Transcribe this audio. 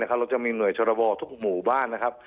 เราจะมีหน่วยชรบทุกหมู่บ้านนะครับ